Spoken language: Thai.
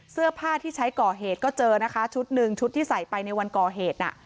เสื้อผ้าที่ใช้ก่อเหตุก็เจอนะคะชุดหนึ่งชุดที่ใส่ไปในวันก่อเหตุน่ะ